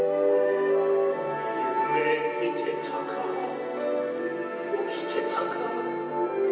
「夢見てたか起きてたか」